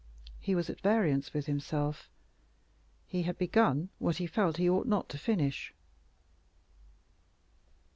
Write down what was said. He was at variance with himself. He had begun what he felt he ought not to finish.